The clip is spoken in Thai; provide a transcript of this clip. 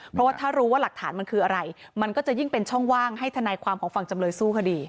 เพราะว่าถ้ารู้ว่าหลักฐานมันคืออะไรมันก็จะยิ่งเป็นช่องว่างให้ทนายความของฝั่งจำเลยสู้คดี